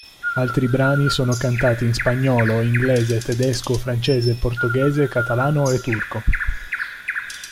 Altri brani sono cantati in spagnolo, inglese, tedesco, francese, portoghese, catalano e turco.